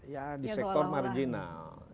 ya di sektor marginal